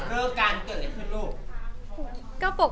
เริ่อการเกิดอะไรขึ้นลูก